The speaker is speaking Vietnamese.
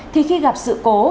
thì khi gặp sự cố